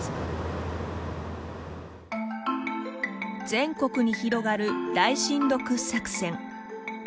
全国に広がる大深度掘削泉。